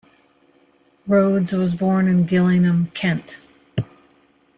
Rhodes was born in Gillingham, Kent.